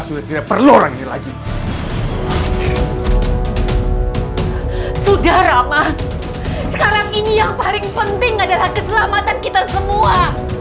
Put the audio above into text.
sudah tidak perlu orang ini lagi sudah ramah sekarang ini yang paling penting adalah keselamatan kita semua